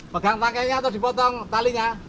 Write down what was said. pegang tangkelnya atau dipotong talinya